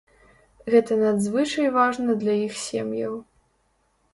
Гэта надзвычай важна для іх сем'яў.